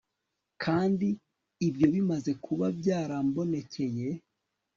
Kandi ibyo bimaze kuba byarambonekeye